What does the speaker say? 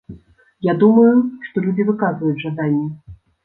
Я думаю, што людзі выказваюць жаданне.